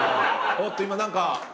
おっと今何か。